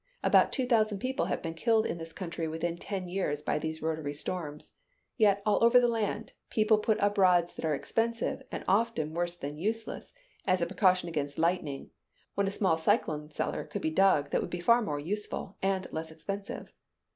About two thousand people have been killed in this country within ten years by these rotary storms. Yet, all over the land, people put up rods that are expensive, and often worse than useless, as a precaution against lightning, when a small "cyclone cellar" could be dug that would be far more useful, and less expensive.